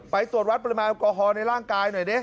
ตรวจวัดปริมาณแอลกอฮอลในร่างกายหน่อยดิ